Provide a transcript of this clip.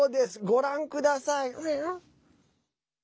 ご覧ください。